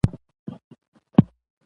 ځنډيخيل دوچ غړک سره خواکی دي